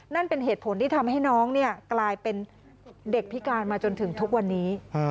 นั่นเป็นเหตุผลที่ทำให้น้องกลายเป็นเด็กพิการมาจนถึงทุกวันนี้